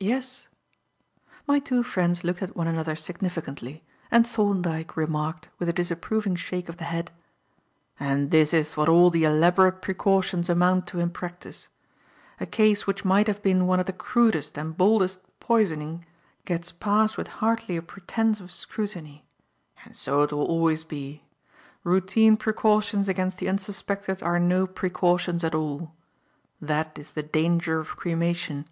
"Yes." My two friends looked at one another significantly, and Thorndyke remarked, with a disapproving shake of the head: "And this is what all the elaborate precautions amount to in practice. A case which might have been one of the crudest and baldest poisoning gets passed with hardly a pretence of scrutiny. And so it will always be. Routine precautions against the unsuspected are no precautions at all. That is the danger of cremation.